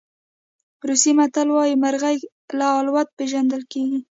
روسي متل وایي مرغۍ له الوت پېژندل کېږي.